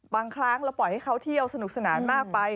บางครั้งเราปล่อยให้เขาเที่ยวสนุกสนานมากไป